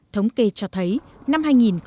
thống kê cho thấy năm hai nghìn một mươi tám